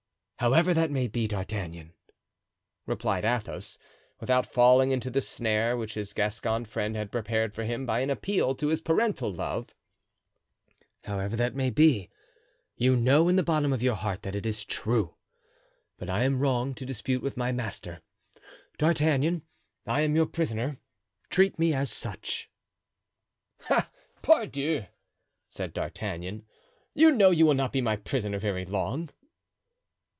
"However that may be, D'Artagnan," replied Athos, without falling into the snare which his Gascon friend had prepared for him by an appeal to his parental love, "however that may be, you know in the bottom of your heart that it is true; but I am wrong to dispute with my master. D'Artagnan, I am your prisoner—treat me as such." "Ah! pardieu!" said D'Artagnan, "you know you will not be my prisoner very long."